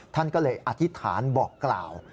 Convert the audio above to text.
ท่านก็เลยอธิษฐานบอกกล่าว